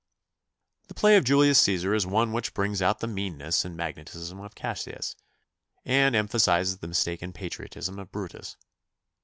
The play of "Julius Cæsar" is one which brings out the meanness and magnetism of Cassius, and emphasizes the mistaken patriotism of Brutus.